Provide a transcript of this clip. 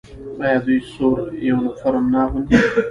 آیا دوی سور یونیفورم نه اغوندي؟